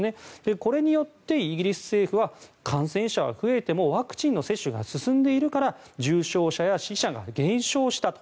これによってイギリス政府は感染者は増えてもワクチンの接種が進んでいるから重症者や死者が減少したと。